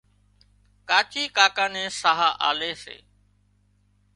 ڪاچي ڪاڪا نين ساهَه آلي سي